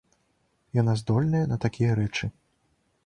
Яна здольная на такія рэчы.